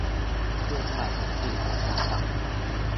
เครือข่ายสันติประชาธรรม